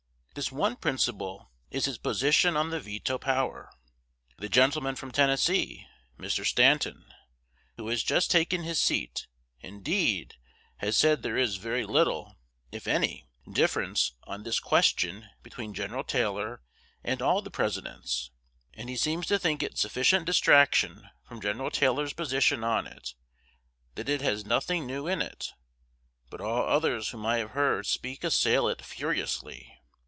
This one principle is his position on the veto power. The gentleman from Tennessee (Mr. Stanton), who has just taken his seat, indeed, has said there is very little, if any, difference on this question between Gen. Taylor and all the Presidents; and he seems to think it sufficient detraction from Gen. Taylor's position on it, that it has nothing new in it. But all others whom I have heard speak assail it furiously.